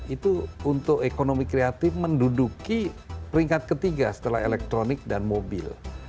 itu untuk ekonomi kreatif menduduki peringkat ketiga setelah elektronik dan mobil